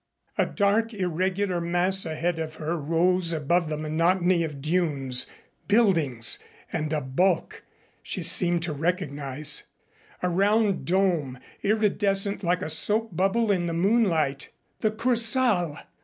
A dark irregular mass ahead of her rose above the monotony of dunes, buildings, and a bulk she seemed to recognize a round dome iridescent like a soap bubble in the moonlight. The Kursaal!